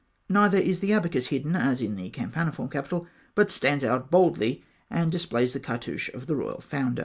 Neither is the abacus hidden as in the campaniform capital, but stands out boldly, and displays the cartouche of the royal founder.